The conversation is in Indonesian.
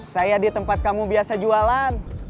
saya di tempat kamu biasa jualan